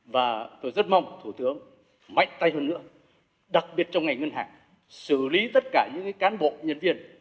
và tôi rất mong thủ tướng mạnh tay hơn nữa đặc biệt trong ngành ngân hàng xử lý tất cả những cán bộ nhân viên